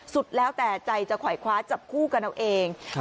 สุดแล้วแต่ใจจะขวายคว้าจับคู่กันเอาเอง